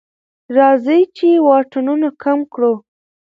راځئ چې واټنونه کم کړو.